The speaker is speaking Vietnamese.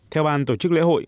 theo bàn tổ chức lễ hội